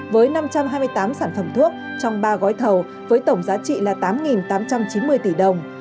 với năm trăm hai mươi tám sản phẩm thuốc trong ba gói thầu với tổng giá trị là tám tám trăm chín mươi tỷ đồng